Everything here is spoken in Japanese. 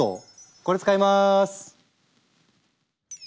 これ使います！